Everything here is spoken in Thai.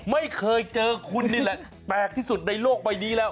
ไม่เคยเจอคุณนี่แหละแปลกที่สุดในโลกใบนี้แล้ว